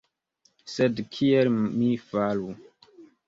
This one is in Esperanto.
Sed kiel mi faru?